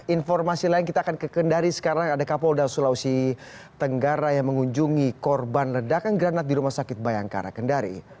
informasi lain kita akan ke kendari sekarang ada kapolda sulawesi tenggara yang mengunjungi korban ledakan granat di rumah sakit bayangkara kendari